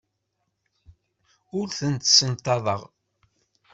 Ur tent-ssenṭaḍeɣ.